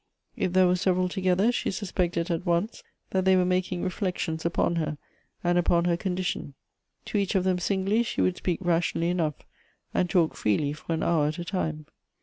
If there were several together, she suspected at once that they were making reflections upon her, and upon her condition. To each of them Elective Affinities. 206 singly she would speak rationally enough, and talk freely for an hour at a time.